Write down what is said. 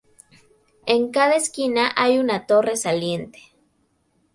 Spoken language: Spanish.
En cada esquina hay una torre saliente.